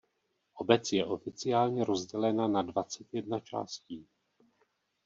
Obec je oficiálně rozdělena na dvacet jedna částí.